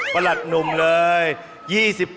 ประหลัดหนุ่มเลย๒๘